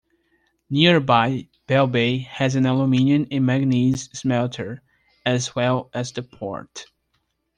Nearby Bell Bay has an aluminium and manganese smelter, as well as the port.